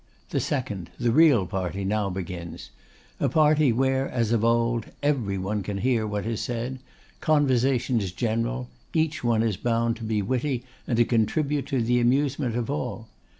The second, the real party, now begins; a party where, as of old, every one can hear what is said, conversation is general, each one is bound to be witty and to contribute to the amusement of all.